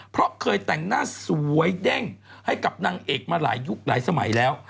เพราะเคยแต่งหน้าสวยเด้งให้กับนางเอกมาหลายยุคหลายสมัยแล้ว